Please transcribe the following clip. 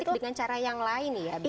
ini politik dengan cara yang lain ya berarti